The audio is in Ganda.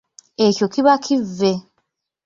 Ekyo kiba kivve.